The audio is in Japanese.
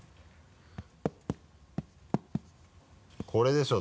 これでしょ？